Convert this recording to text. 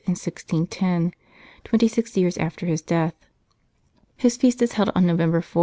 in 1610, twenty six years after his death. His feast is held on November 4.